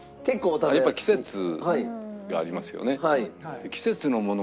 やっぱ季節がありますよね。